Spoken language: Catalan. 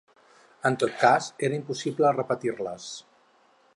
En tot cas, era impossible repetir-les.